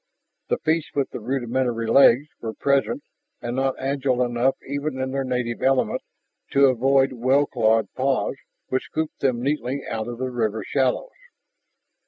The fish with the rudimentary legs were present and not agile enough even in their native element to avoid well clawed paws which scooped them neatly out of the river shallows.